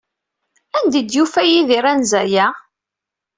Anda ay d-yufa Yidir anza-a?